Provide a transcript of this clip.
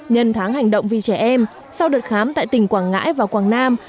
nhân tháng hành động vì trẻ em sau đợt khám tại tỉnh quảng ngãi và quảng nam